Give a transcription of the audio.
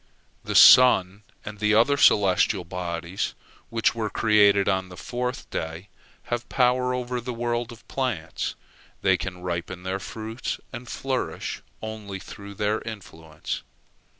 The sun and the other celestial bodies, which were created on the fourth day, have power over the world of plants. They can ripen their fruits and flourish only through their influence.